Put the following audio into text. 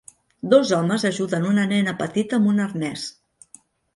Dos home ajuden una nena petita amb un arnès.